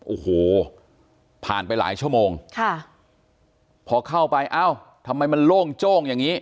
โอ้โหผ่านไปหลายชั่วโมงค่ะพอเข้าไปเอ้าทำไมมันโล่งโจ้งอย่างนี้